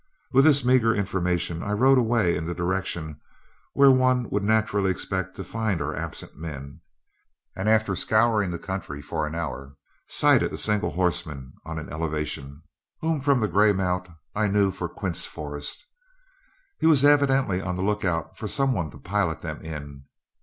With this meagre information, I rode away in the direction where one would naturally expect to find our absent men, and after scouring the country for an hour, sighted a single horseman on an elevation, whom from the gray mount I knew for Quince Forrest. He was evidently on the lookout for some one to pilot them in.